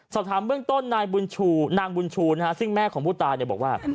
สอบถามเรื่องต้นนางบุญชูซึ่งแม่ของผู้ตาบอกว่า